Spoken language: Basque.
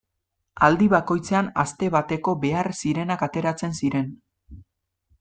Aldi bakoitzean aste bateko behar zirenak ateratzen ziren.